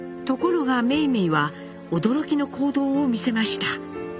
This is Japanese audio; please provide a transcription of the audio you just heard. ところが梅梅は驚きの行動を見せました。